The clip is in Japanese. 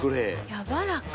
やわらか。